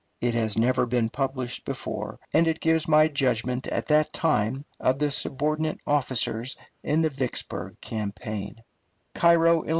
It has never been published before, and it gives my judgment at that time of the subordinate officers in the Vicksburg campaign: CAIRO, ILL.